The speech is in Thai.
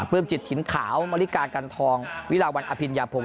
อ่าเพิ่มจิดถินขาวมริกากันทองวิลาวันอพินยาพง